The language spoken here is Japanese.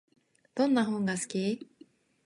どんな本が好き？